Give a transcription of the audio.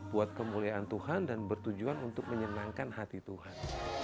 buat kemuliaan tuhan dan bertujuan untuk menyenangkan hati tuhan